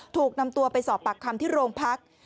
ถูกนำตัวไปสอบปากคำที่โรงพัก